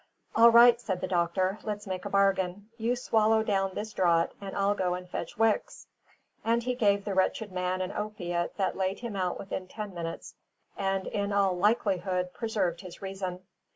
"All right," said the doctor. "Let's make a bargain. You swallow down this draught, and I'll go and fetch Wicks." And he gave the wretched man an opiate that laid him out within ten minutes and in all likelihood preserved his reason.